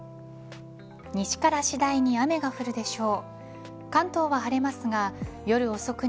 西から次第に雨が降るでしょう。